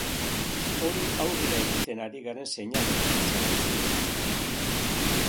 Hori aurrera egiten ari garen seinalea litzateke eta.